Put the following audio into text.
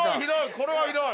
これはひどい。